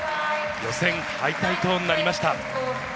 予選敗退となりました。